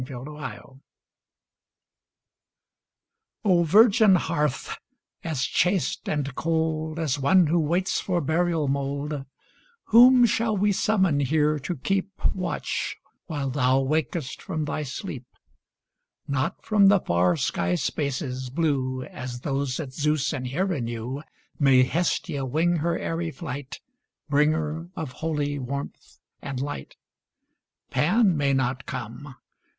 THE FIRST FIRE O VIRGIN hearth, as chaste and cold As one who waits for burial mould, Whom shall we summon here to keep Watch while thou wakest from thy sleep ? Not from the far sky spaces, blue As those that Zeus and Hera knew, May Hestia wing her airy flight, Bringer of holy warmth and light. Pan may not come.